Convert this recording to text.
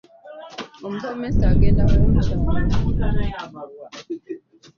Omusomesa agenda kunkyawa.